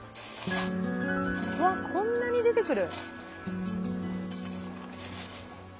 うわっこんなに出てくる。